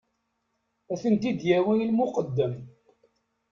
Ad ten-id-yawi i lmuqeddem.